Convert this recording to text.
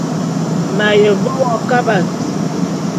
M’aye ve wo kabat.